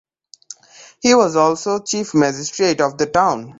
He was also Chief Magistrate of the town.